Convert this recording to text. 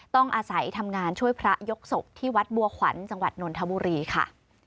ต้องอาศัยทำงานช่วยพระยกศพที่วัดบัวขวัญจังหวัดนนทบุรีค่ะ